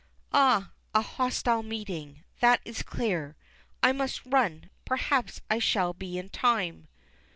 Ah, a hostile meeting, that is clear. I must run, perhaps I shall be in time.